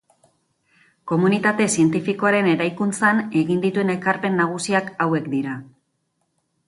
Komunitate zientifikoaren eraikuntzan egin dituen ekarpen nagusiak hauek dira.